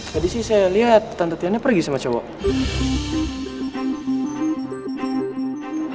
tadi sih saya liat tante tiana pergi sama cowoknya